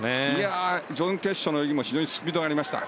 準決勝のも非常にスピードもありました。